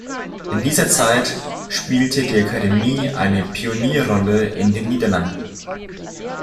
In dieser Zeit spielte die Akademie eine Pionierrolle in den Niederlanden.